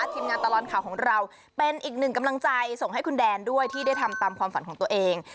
ทีมงานตลอดข่าวของเราเป็นอีกหนึ่งกำลังใจส่งให้คุณแดนด้วยที่ได้ทำตามความฝันของตัวเอง